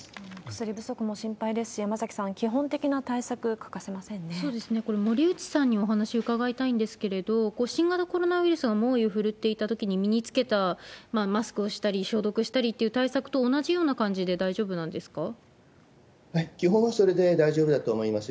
薬不足も心配ですし、山崎さん、基本的な対策、これ、森内さんにお話伺いたいんですけれども、新型コロナウイルスが猛威を振るっていたときに身につけた、マスクをしたり、消毒をしたりって対策と同じような感じで大丈夫なん基本、それで大丈夫だと思います。